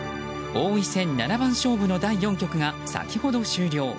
王位戦七番勝負の第４局が先ほど、終了。